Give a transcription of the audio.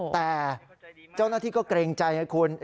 แต่เจ้าหน้าที่ก็เกรงใจให้คุณ